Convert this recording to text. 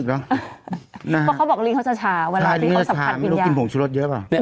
เขาบอกลิงเขาชะชาเวลาที่เขาสัมผัสบินยา